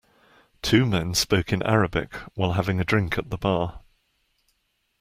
Two men spoke in Arabic while having a drink at the bar.